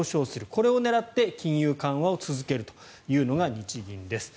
これを狙って金融緩和を続けるというのが日銀です。